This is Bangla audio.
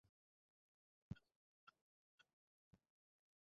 এটি চাইলে দোকান থেকেও করিয়ে নেওয়া যায় আবার বাড়িতে বসেও করা যায়।